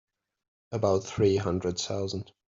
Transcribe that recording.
About three hundred thousand.